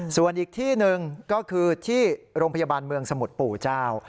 ส่วนอีกที่หนึ่งก็คือที่โรงพยาบาลเมืองสมุทรปู่เจ้า